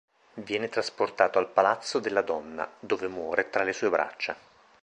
Viene trasportato al palazzo della donna, dove muore tra le sue braccia.